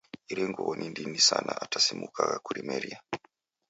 Iri nguw'o ni ndini sana ata simukagha kumeria